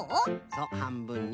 そうはんぶんに。